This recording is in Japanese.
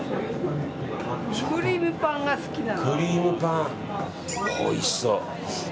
クリームパンが好きなの。